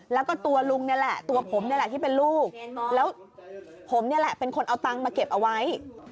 แล้วก็ตัวลุงนี่แหละตัวผมนี่แหละที่เป็นลูกแล้วผมนี่แหละเป็นคนเอาตังค์มาเก็บเอาไว้